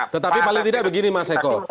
tetapi paling tidak begini mas eko